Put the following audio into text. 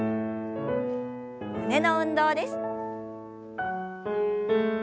胸の運動です。